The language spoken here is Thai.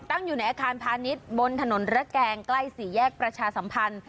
ตั้งอยู่ในอาคารพาณิชย์บนถนนระแกงใกล้สี่แยกประชาสัมพันธ์